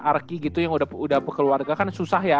arki gitu yang udah kekeluarga kan susah ya